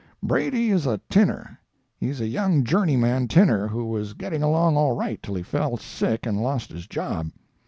"Brady is a tinner. He's a young journeyman tinner who was getting along all right till he fell sick and lost his job.